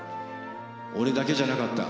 俺だけじゃなかった。